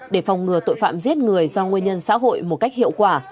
để phòng ngừa tội phạm giết người do nguyên nhân xã hội một cách hiệu quả